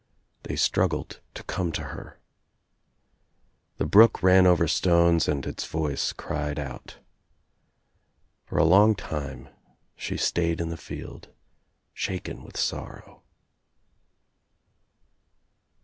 They struggled to come to her. The brook ran over stones and its voice cried out. For a long time she stayed in the field, shaken with sorrow.